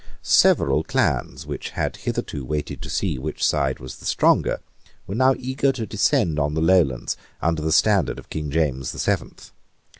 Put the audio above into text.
Several clans, which had hitherto waited to see which side was the stronger, were now eager to descend on the Lowlands under the standard of King James the Seventh.